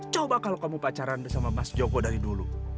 coba kalau kamu pacaran sama mas joko dari dulu